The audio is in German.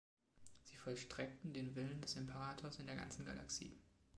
Sie vollstreckten den Willen des Imperators in der ganzen Galaxie.